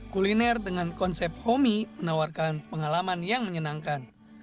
kuliner dengan konsep homey menawarkan pengalaman yang menyenangkan